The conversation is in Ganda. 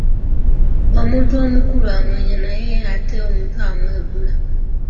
Omuntu omukulu amwenya naye ate omuto amwegula.